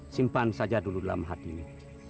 simpan saja dulu dalam hatimu